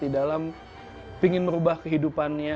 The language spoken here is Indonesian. di dalam pingin merubah kehidupannya